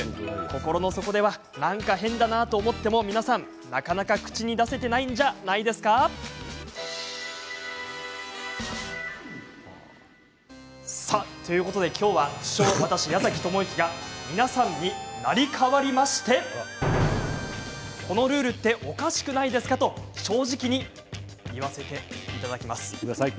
心の底では「何か変だなあ」と思っても、皆さんなかなか口に出せてないんじゃないですか？ということで、今日は不肖、私、矢崎智之が皆さんに成り代わりましてこのルールっておかしくないですか？と正直にどうぞ。